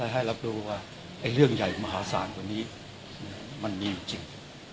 ให้รับรู้ว่าเรื่องใหญ่มหาศาลกว่านี้มันมีอยู่จริง